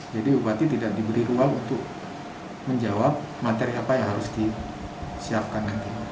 bupati tidak diberi ruang untuk menjawab materi apa yang harus disiapkan nanti